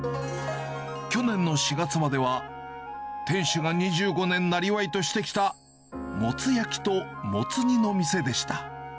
去年の４月までは、店主が２５年なりわいとしてきたモツ焼きとモツ煮の店でした。